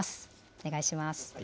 お願いします。